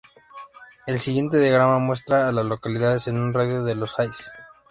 El siguiente diagrama muestra a las localidades en un radio de de Hays.